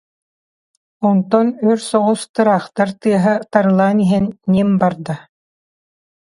Онтон өр соҕус тыраахтар тыаһа тары- лаан иһэн «ньим» барда